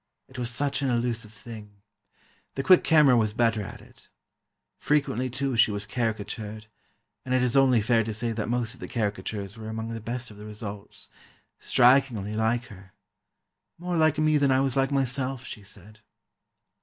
It was such an elusive thing. The quick camera was better at it. Frequently, too, she was caricatured, and it is only fair to say that most of the caricatures were among the best of the results—strikingly like her: "more like me than I was like myself," she said.